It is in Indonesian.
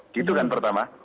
gitu kan pertama